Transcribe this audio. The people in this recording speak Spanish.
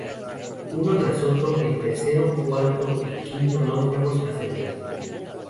Uno tras otro, el tercero, cuarto y quinto náufragos hacen lo mismo.